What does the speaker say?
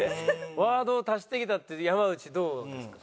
ワードを足してきたって山内どうですか？